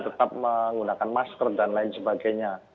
tetap menggunakan masker dan lain sebagainya